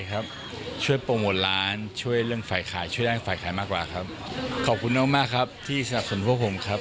ก็คือสรรพส่วนผมก็ได้บุญด้วยไงครับ